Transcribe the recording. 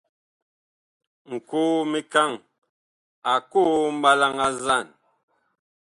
Nkoo-mikaŋ a koo mɓalaŋ a nzaan.